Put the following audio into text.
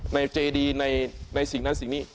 ในเจดีในสิ่งนั้นสิ่งนี้